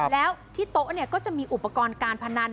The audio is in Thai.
แล้วที่โต๊ะก็จะมีอุปกรณ์การพนัน